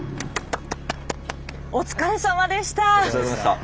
お疲れさまでした。